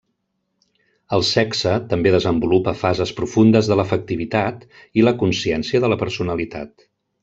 El sexe també desenvolupa fases profundes de l'afectivitat i la consciència de la personalitat.